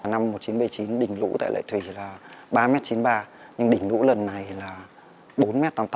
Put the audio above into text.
năm một nghìn chín trăm bảy mươi chín đỉnh lũ tại lệ thủy là ba m chín mươi ba nhưng đỉnh lũ lần này là bốn m tám mươi tám